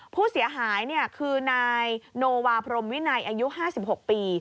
ผู้เสียหายคือนายโนวาพรมวินัยอายุ๕๖ปี